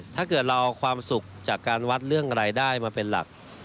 ถ้าเกิดเราเอาความสุขจากการวัดเรื่องรายได้มาเป็นหลัก